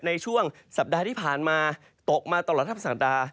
ในช่วงสัปดาห์ที่ผ่านมาตกมาตลอดทัพศาสตรา